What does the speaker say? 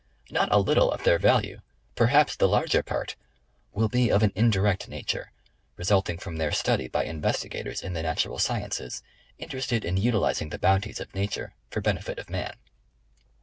Not a little of their value, perhai)s the larger part, will be of an indirect nature, resulting from their study by investigators in the natural sciences interested in utilizing the bounties of nature for benefit of man.